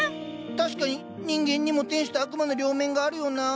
確かに人間にも天使と悪魔の両面があるよなあ。